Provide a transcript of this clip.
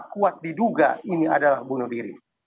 kuat diduga ini adalah bunuh diri